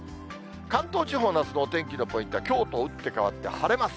関東地方のあすのお天気のポイントはきょうと打って変わって、晴れます。